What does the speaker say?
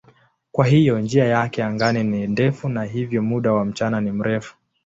Kwa hiyo njia yake angani ni ndefu na hivyo muda wa mchana ni mrefu.